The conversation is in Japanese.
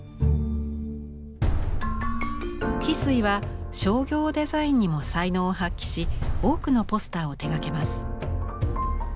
非水は商業デザインにも才能を発揮し多くのポスターを手がけます。